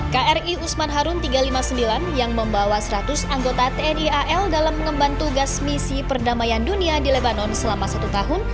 kri usman harun tiga ratus lima puluh sembilan yang membawa seratus anggota tni al dalam mengemban tugas misi perdamaian dunia di lebanon selama satu tahun